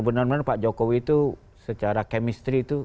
benar benar pak jokowi itu secara kemistri itu